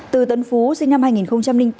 từ tấn phú sinh năm hai nghìn bốn